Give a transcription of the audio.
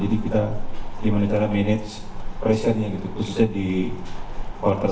jadi kita gimana cara manage pressure nya gitu khususnya di quarter satu ya